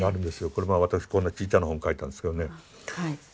これまあ私こんなちいちゃな本を書いたんですけどね。